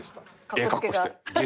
ええ格好して。